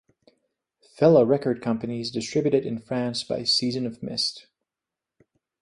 Fellow record companies distributed in France by Season of Mist.